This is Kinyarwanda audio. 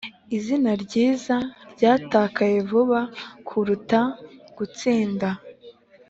izina ryiza ryatakaye vuba kuruta gutsinda.